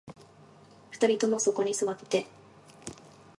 二人ともそこに座って